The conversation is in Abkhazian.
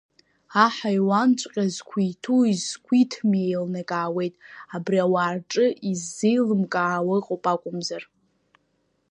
Аҳаиуанҵәҟьа зқәиҭуи изқәиҭми еилнакаауеит, абри ауаа рҿы иззеилымкаауа ыҟоуп акәымзар.